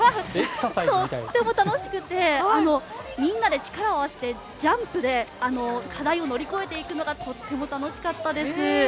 とても楽しくてみんなで力を合わせてジャンプで課題を乗り越えていくのがとても楽しかったです。